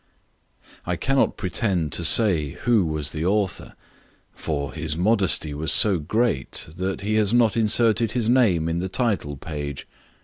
I cannot pretend to say who was the author; for his modesty was so great, that he has not inserted his name in the title page.